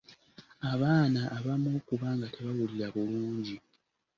Abaana abamu okuba nga tebawulira bulungi.